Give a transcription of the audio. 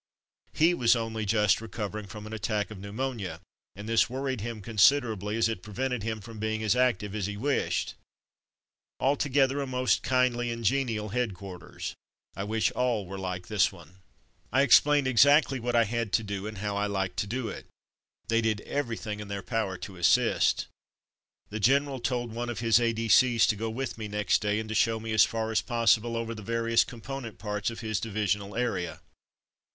He was only just recovering from an attack of pneumonia, and this worried him consider ably, as it prevented him from being as active as he wished. Altogether a most kindly and genial headquarters; I wish all were like this one. I explained exactly what I had to do, and how I liked to do it. They did everything in their power to assist. The general told one of his A.D.C.'s to go with me next day, and to show me as far as possible over the various component parts of his divisional area.